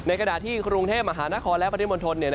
ในกระดาษที่ครูลงเทศมฯและประธิบนทร